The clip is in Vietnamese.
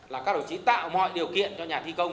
là các đồng chí tạo mọi điều kiện cho nhà thi công